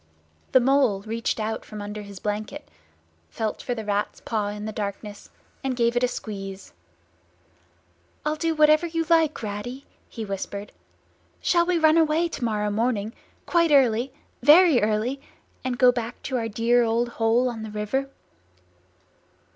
The Mole reached out from under his blanket, felt for the Rat's paw in the darkness, and gave it a squeeze. "I'll do whatever you like, Ratty," he whispered. "Shall we run away to morrow morning, quite early—very early—and go back to our dear old hole on the river?"